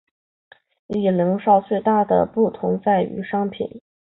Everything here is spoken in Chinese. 与零售最大的不同在于商品。